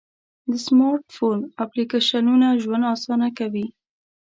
د سمارټ فون اپلیکیشنونه ژوند آسانه کوي.